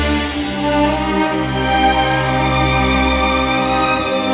b pep layers bijakaknya